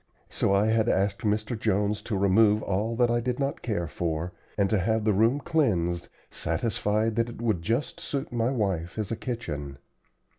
So I had asked Mr. Jones to remove all that I did not care for, and to have the room cleansed, satisfied that it would just suit my wife as a kitchen.